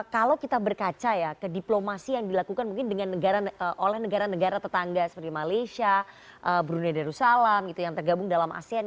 kalau kita berkaca ya ke diplomasi yang dilakukan mungkin oleh negara negara tetangga seperti malaysia brunei darussalam gitu yang tergabung dalam asean